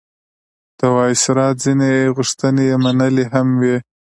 د وایسرا ځینې غوښتنې یې منلي هم وې.